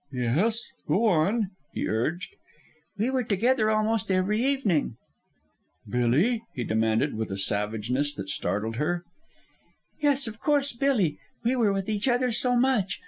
"Yes, go on," he urged. "We were together almost every evening." "Billy?" he demanded, with a savageness that startled her. "Yes, of course, Billy. We were with each other so much...